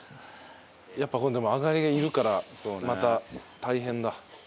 やっぱ今度あがりがいるからまた大変だ。